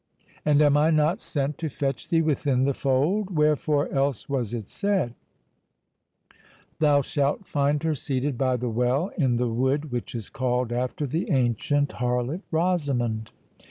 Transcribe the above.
—and am I not sent to fetch thee within the fold?—Wherefore else was it said, Thou shalt find her seated by the well, in the wood which is called after the ancient harlot, Rosamond?"